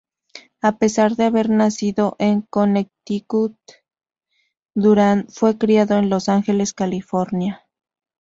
A pesar de haber nacido en Connecticut, Durand fue criado en Los Ángeles, California.